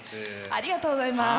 ありがとうございます。